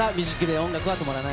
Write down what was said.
音楽は止まらない。